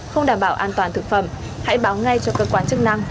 không đảm bảo an toàn thực phẩm hãy báo ngay cho cơ quan chức năng